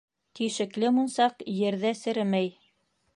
Тишекле мунсаҡ ерҙә серемәй.